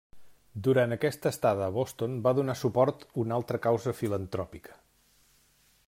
Durant aquesta estada a Boston va donar suport una altra causa filantròpica.